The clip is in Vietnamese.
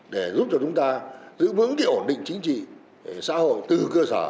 để giúp cho chúng ta giữ vững cái ổn định chính trị xã hội từ cơ sở